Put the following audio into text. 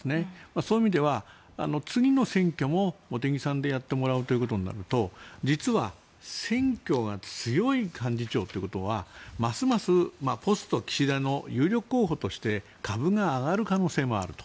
そういう意味では次の選挙も茂木さんでやってもらうということになると実は選挙が強い幹事長ということはますますポスト岸田の有力候補として株が上がる可能性もあると。